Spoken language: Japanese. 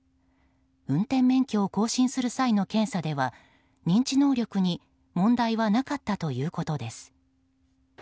運転免許を更新する際の検査では認知能力に問題はなかったということです。